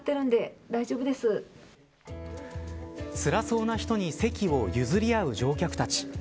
つらそうな人に席を譲り合う乗客たち。